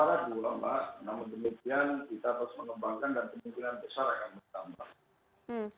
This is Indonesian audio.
namun demikian kita terus mengembangkan dan kemungkinan besar akan bertambah